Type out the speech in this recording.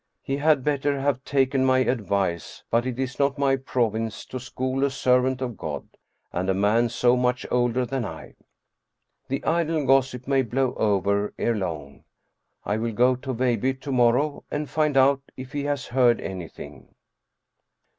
He had better have taken my advice, but it isi not my province to school a servant of God, and a man so much older than I. The idle gossip may blow over ere long. I will go to Veilbye to morrow and find out if he has heard anything.